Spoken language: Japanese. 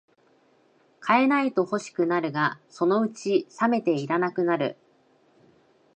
買えないと欲しくなるが、そのうちさめていらなくなる